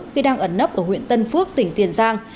khi đang ẩn nấp ở huyện tân phước tỉnh tiền giang